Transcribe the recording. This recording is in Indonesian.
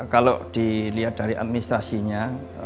kalau dilihat dari administrasinya